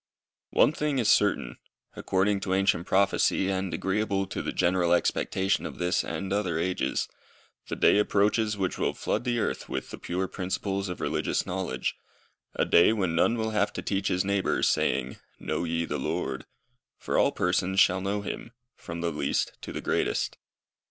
One thing is certain according to ancient prophecy, and agreeable to the general expectation of this and other ages, the day approaches which will flood the earth with the pure principles of religious knowledge; a day when none will have to teach his neighbour, saying, Know ye the Lord; for all persons shall know Him, from the least to the greatest.